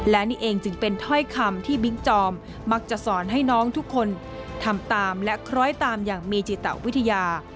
และนี่เองจึงเป็นถ้อยคำที่บิ๊กจอมมักจะสอนให้น้องทุกคนทำตามและคล้อยตามอย่างมีจิตวิทยา